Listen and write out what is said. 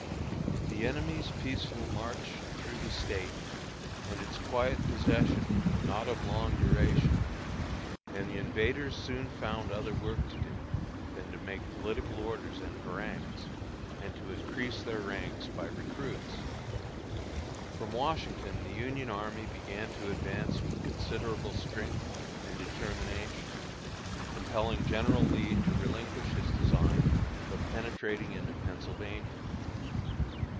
The enemy's peaceful march through the State and its quiet possession were not of long duration; and the invaders soon found other work to do, than to make political orders and harangues, and to increase their ranks by recruits. From Washington the Union army began to advance with considerable strength and determination, compelling General Lee to relinquish his design of penetrating into Pennsylvania.